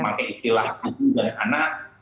maksudnya istilah ibu dan anak